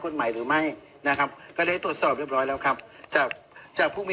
จะมีเรื่องที่เราจะซื้อ